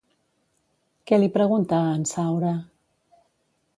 Què li pregunta a en Saura?